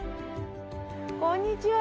こんにちは。